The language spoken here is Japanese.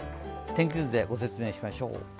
天気図でご説明しましょう。